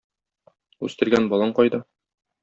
Үстергән балаң кайда?